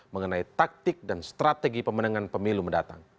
mengenai taktik dan strategi pemenangan pemilu mendatang